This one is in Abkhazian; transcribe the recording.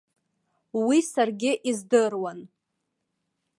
Уи саргьы издыруан.